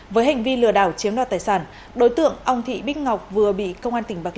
với hành vi lừa đảo chiếm đoạt tài sản đối tượng ông thị bích ngọc vừa bị công an tỉnh bạc liêu